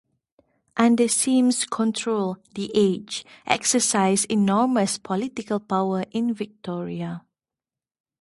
Under Syme's control "The Age" exercised enormous political power in Victoria.